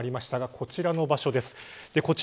こちらの場所です。